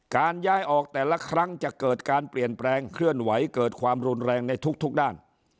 การย้ายออกแต่ละครั้งจะเกิดการเปลี่ยนแปลงเคลื่อนไหวเกิดความรุนแรงในทุกด้าน